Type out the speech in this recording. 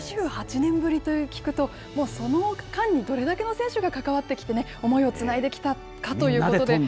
２８年ぶりと聞くと、もうその間にどれだけの選手が関わってきてね、思いをつないできたかということで。